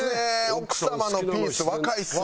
奥様のピース若いですね。